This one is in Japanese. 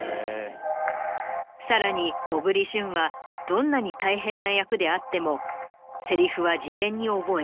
さらに小栗旬はどんなに大変な役であってもセリフは事前に覚え